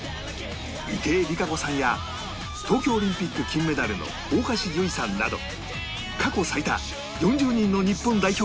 池江璃花子さんや東京オリンピック金メダルの大橋悠依さんなど過去最多４０人の日本代表が出場